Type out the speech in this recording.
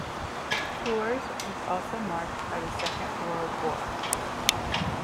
Tours was also marked by the Second World War.